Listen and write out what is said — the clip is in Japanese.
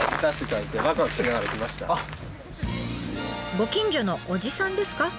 ご近所のおじさんですか？